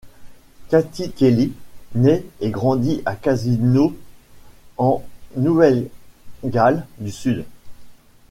Katie Kelly nait et grandit à Casino en Nouvelle-Galles du Sud.